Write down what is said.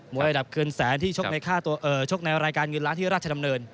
มวยระดับเงินแสนที่ชกในรายการเงินร้านที่ราชนำเนิน